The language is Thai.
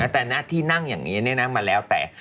แต่ที่นั่งอย่างนี้เนี่ยนะมาแล้วแต่